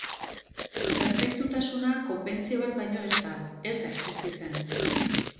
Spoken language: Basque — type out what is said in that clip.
Perfektutasuna konbentzio bat baino ez da; ez da existitzen.